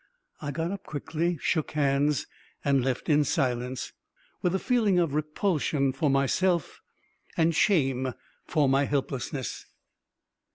I got up quickly, shook hands, and left in silence, with a feeling of repulsion for myself and shame for my helplessness....